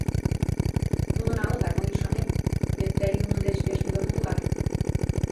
Нуно налытак, мый ӱшанем, вет тый нунын деч пеш мӱндырнӧ улат.